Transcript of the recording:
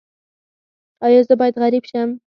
ایا زه باید غریب شم؟